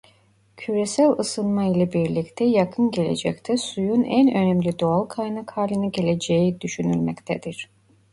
Küresel ısınma ile birlikte yakın gelecekte suyun en önemli doğal kaynak haline geleceği düşünülmektedir.